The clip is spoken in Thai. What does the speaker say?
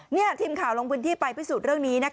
นี่ทีมข่าวลงพื้นที่ไปพิสูจน์เรื่องนี้